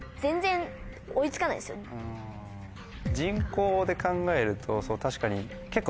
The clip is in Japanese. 人口で考えると確かに結構。